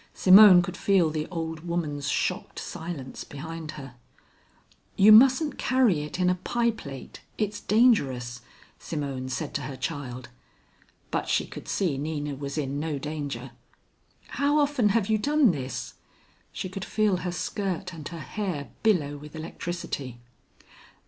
Simone could feel the old woman's shocked silence behind her. "You mustn't carry it in a pie plate, it's dangerous," Simone said to her child, but she could see Nina was in no danger. "How often have you done this?" She could feel her skirt and her hair billow with electricity.